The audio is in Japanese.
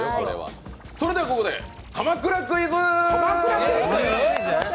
それではここで鎌倉クイズ！